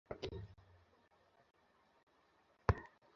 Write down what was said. যদি জানালাটা খোলা থাকে আপনি জঙ্গলের সবকিছু দেখতে পাবেন।